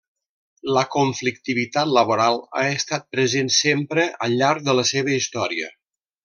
La conflictivitat laboral ha estat present sempre al llarg de la seva història.